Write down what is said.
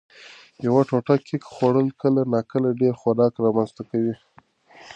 یوه ټوټه کېک خوړل کله ناکله ډېر خوراک رامنځ ته کوي.